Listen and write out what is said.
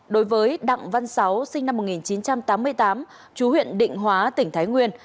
đối với đặng văn sáu sinh năm một nghìn chín trăm tám mươi tám chú huyện định hóa tỉnh thái nguyên